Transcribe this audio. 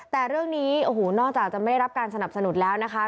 แต่เรื่องนี้โอ้โหนอกจากจะไม่ได้รับการสนับสนุนแล้วนะคะ